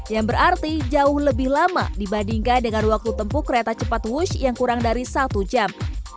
yang berarti jauh lebih lama dibandingkan dengan waktu tempuh kereta cepat wush yang kurang dari satu jam